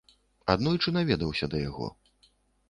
Аднойчы наведаўся да яго.